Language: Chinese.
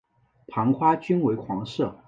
盘花均为黄色。